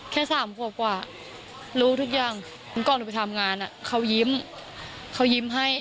แค่สามขวบกว่ารู้ทุกอย่างก่อนหนูไปทำงานเขายิ้มเขายิ้มให้